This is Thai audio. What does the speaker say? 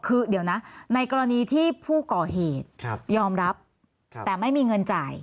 คือเดี๋ยวนะในกรณีที่ผู้ก่อเหตุยอมรับแต่ไม่มีเงินจ่าย